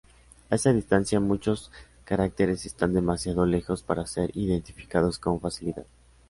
A esa distancia muchos caracteres están demasiado lejos para ser identificados con facilidad.